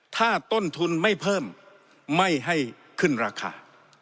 ถ้าต้นทุนไม่เพิ่มไม่ให้ขึ้นราคา